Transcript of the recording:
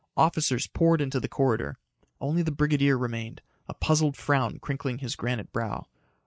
Officers poured into the corridor. Only the brigadier remained, a puzzled frown crinkling his granite brow.